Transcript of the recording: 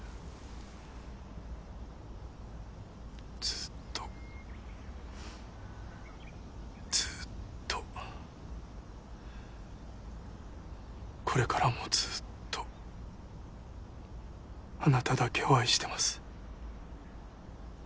ずっとずっとこれからもずっとあなただけを愛してます。